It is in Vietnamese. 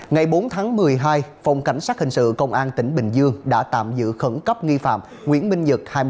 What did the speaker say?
ngày bốn tháng một mươi hai phòng cảnh sát hình sự công an tỉnh bình dương đã tạm giữ khẩn cấp nghi phạm nguyễn minh nhật